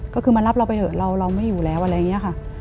ก็คือมารับเราไปเถอะเราไม่อยู่แล้วอะไรอย่างนี้ค่ะ